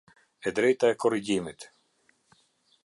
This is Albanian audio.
E drejta e korrigjimit.